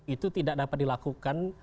itu tidak dapat dilakukan